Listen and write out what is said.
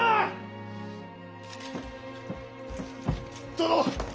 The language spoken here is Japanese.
殿！